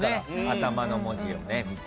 頭の文字を見て。